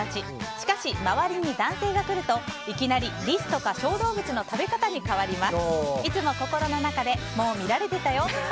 しかし、周りに男性が来るといきなりリスとか小動物の食べ方に変わります。